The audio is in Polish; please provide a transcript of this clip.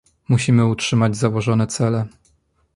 Musimy utrzymać założone cele